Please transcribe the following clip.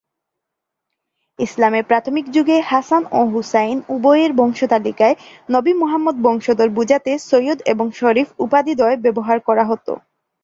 ইসলামের প্রাথমিক যুগে হাসান ও হোসাইন উভয়ের বংশতালিকায় নবী মুহাম্মদ বংশধর বুঝাতে সৈয়দ এবং শরীফ উপাধিদ্বয় ব্যবহার করা হত।